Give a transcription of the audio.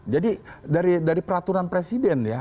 jadi dari peraturan presiden ya